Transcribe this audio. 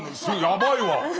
やばいわ。